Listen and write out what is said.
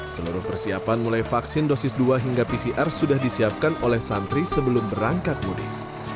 seluruh persiapan mulai vaksin dosis dua hingga pcr sudah disiapkan oleh santri sebelum berangkat mudik